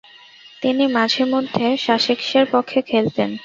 তিনি মাঝে-মধ্যে সাসেক্সের পক্ষে খেলতেন।